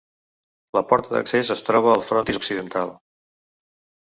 La porta d'accés es troba al frontis occidental.